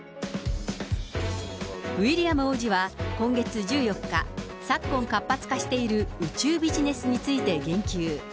ウィリアム王子は今月１４日、昨今、活発化している宇宙ビジネスについて言及。